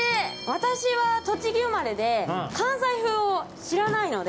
私は栃木生まれで関西風を知らないので。